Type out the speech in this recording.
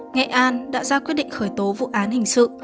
nghệ an đã ra quyết định khởi tố vụ án hình sự